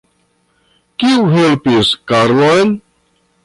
Kiu helpis Karlon?